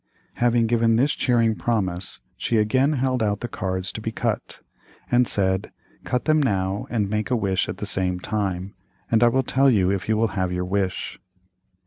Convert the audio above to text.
Having given this cheering promise, she again held out the cards to be cut, and said, "Cut them again now, and make a wish at the same time, and I will tell you if you will have your wish."